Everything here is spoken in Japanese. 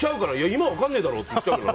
今は分かんないだろって。